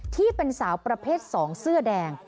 ที่เป็นสาวประเภท๒เสื้อแดง